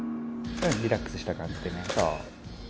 うんリラックスした感じでね